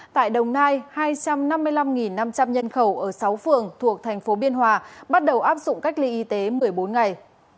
tại đồng nai hai trăm năm mươi năm năm trăm linh nhân khẩu ở sáu phường thuộc thành phố biên hòa bắt đầu áp dụng cách ly y tế một mươi bốn ngày